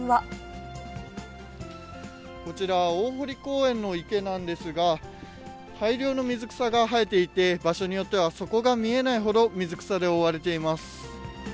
こちら、大濠公園の池なんですが、大量の水草が生えていて、場所によっては底が見えないほど、水草で覆われています。